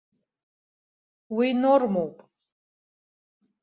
Уи нормоуп.